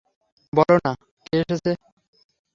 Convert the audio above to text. বলো না, কে এসেছে।